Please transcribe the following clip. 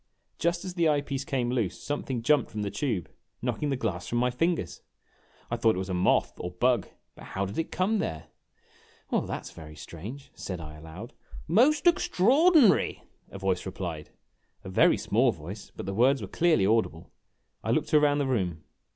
Just as the eye piece came loose something jumped from the tube, knocking the glass from my fingers. I thought it was a moth or bug but how did it come there? "Well, that 's very strange," said I, aloud. "Most extraordinary," a voice replied; a very small voice, but the words were clearly audible. I looked around the room.